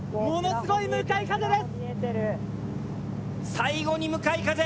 最後に向かい風。